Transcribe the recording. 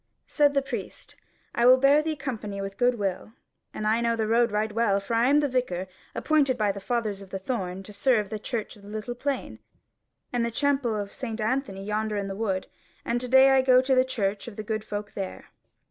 Said the Priest: "I will bear thee company with a good will; and I know the road right well; for I am the Vicar appointed by the fathers of the Thorn to serve the church of the Little Plain, and the chapel of St. Anthony yonder in the wood, and to day I go to the church of the good folk there."